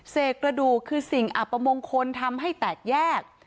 กระดูกคือสิ่งอัปมงคลทำให้แตกแยก